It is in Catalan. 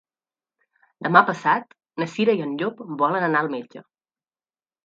Demà passat na Cira i en Llop volen anar al metge.